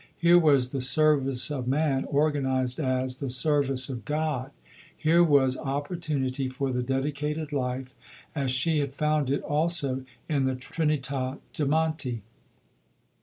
Here was "the service of man" organized as "the service of God"; here was opportunity for the Dedicated Life, as she had found it also in the Trinità de' Monti.